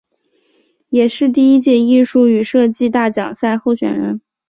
也是第一届艺术与设计大奖赛候选人。